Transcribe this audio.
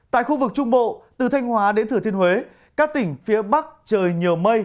tại khu vực trung bộ từ thanh hóa đến thừa thiên huế các tỉnh phía bắc trời nhiều mây